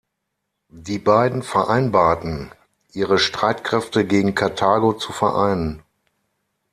Die beiden vereinbarten, ihre Streitkräfte gegen Karthago zu vereinen.